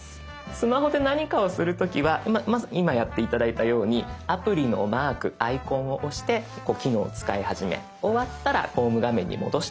スマホで何かをする時は今やって頂いたようにアプリのマークアイコンを押して機能を使い始め終わったらホーム画面に戻してくる。